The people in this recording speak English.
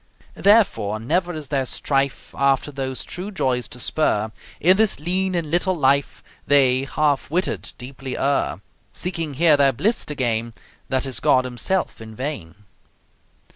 Therefore, never is their strife After those true joys to spur; In this lean and little life They, half witted, deeply err Seeking here their bliss to gain, That is God Himself in vain.